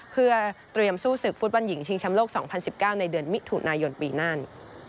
เพื่อเตรียมสู้ศึกฟุตบอลหญิงชิงชำโลก๒๐๑๙ในเดือนมิถุนายนปีหน้า